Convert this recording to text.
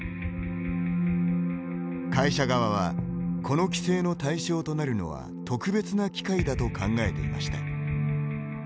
会社側はこの規制の対象となるのは特別な機械だと考えていました。